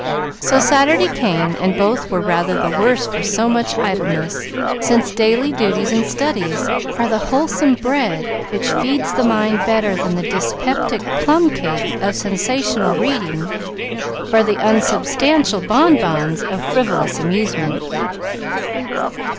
So Saturday came, and both were rather the worse for so much idleness, since daily duties and studies are the wholesome bread which feeds the mind better than the dyspeptic plum cake of sensational reading, or the unsubstantial bon bons of frivolous amusement.